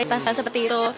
tas tas seperti itu